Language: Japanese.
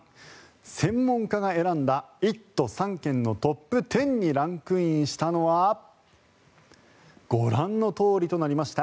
専門家が選んだ１都３県のトップ１０にランクインしたのはご覧のとおりとなりました。